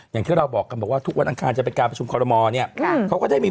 อย่างที่เราบอกกันบอกว่าทุกวันอังคารจะเป็นการประชุมคอรมอลเนี่ยเขาก็ได้มี